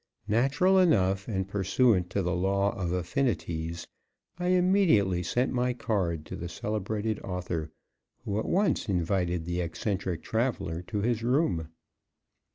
Natural enough and pursuant to the Law of Affinities, I immediately sent my card to the celebrated author, who at once invited the eccentric traveler to his room.